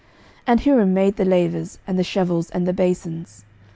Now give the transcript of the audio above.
11:007:040 And Hiram made the lavers, and the shovels, and the basons.